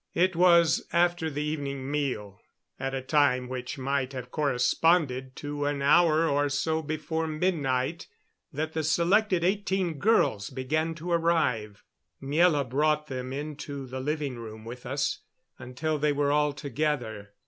It was after the evening meal, at a time which might have corresponded to an hour or so before midnight, that the selected eighteen girls began to arrive. Miela brought them into the living room with us until they were all together.